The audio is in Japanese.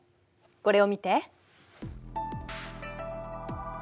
これを見て。